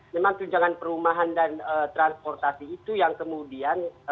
memang tunjangan perumahan dan transportasi itu yang kemudian